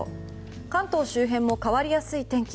関東周辺も変わりやすい天気。